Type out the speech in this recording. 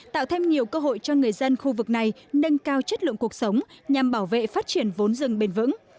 tạo thêm nhiều cơ hội cho người dân khu vực này nâng cao chất lượng cuộc sống nhằm bảo vệ phát triển vốn rừng bền vững